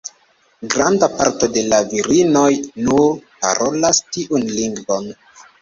Granda parto de la virinoj nur parolas tiun lingvon.